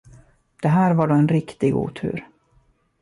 Det här var då en riktig otur.